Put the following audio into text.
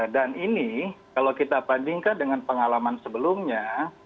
dan ini kalau kita bandingkan dengan pengalaman sebelumnya